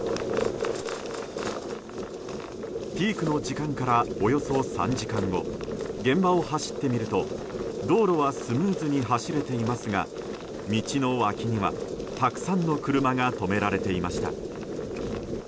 ピークの時間からおよそ３時間後現場を走ってみると道路はスムーズに走れていますが道の脇には、たくさんの車が止められていました。